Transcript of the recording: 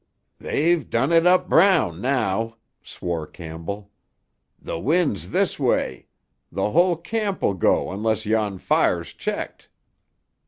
"They've done it up brown now!" swore Campbell. "The wind's this way. The whole camp will go unless yon fire's checked."